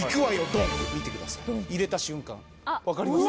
ドン見てください入れた瞬間分かります？